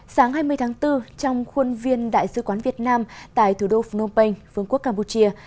sáng hai mươi tháng bốn trong khuôn viên đại sứ quán việt nam tại thủ đô phnom penh phương quốc campuchia